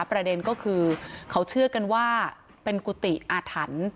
ประเด็นก็คือเขาเชื่อกันว่าเป็นกุฏิอาถรรพ์